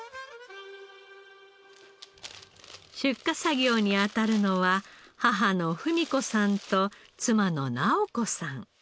出荷作業に当たるのは母の文子さんと妻の尚子さん。